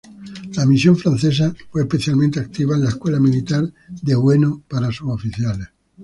La misión francesa fue especialmente activa en la Escuela Militar de Ueno para suboficiales.